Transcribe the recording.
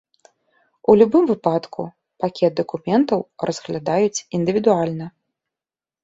У любым выпадку, пакет дакументаў разглядаюць індывідуальна.